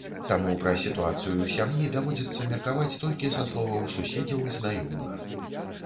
Таму пра сітуацыю ў сям'і даводзіцца меркаваць толькі са словаў суседзяў і знаёмых.